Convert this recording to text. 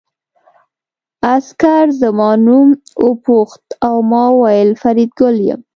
عسکر زما نوم وپوښت او ما وویل فریدګل یم